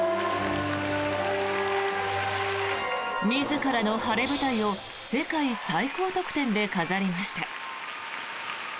自らの晴れ舞台を世界最高得点で飾りました。